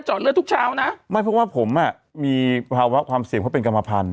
เลือดทุกเช้านะไม่เพราะว่าผมอ่ะมีภาวะความเสี่ยงเขาเป็นกรรมพันธ